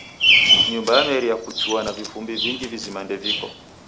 Nyumba yameria kuchua na vifumbi vingi vizima ndeviko.